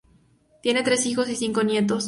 Tiene tres hijos y cinco nietos.